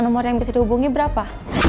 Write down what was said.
nomor yang bisa dihubungi berapa